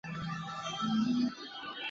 天池院位于朝鲜的两江道之三池渊郡。